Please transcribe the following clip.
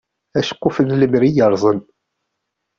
Aceqquf n lemri yerẓen.